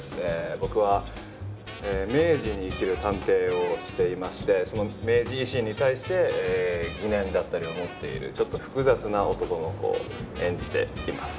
僕は明治に生きる探偵をしていましてその明治維新に対して疑念だったりを持っているちょっと複雑な男の子を演じています。